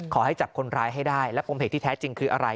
ขอให้จับคนร้ายให้ได้และปมเหตุที่แท้จริงคืออะไร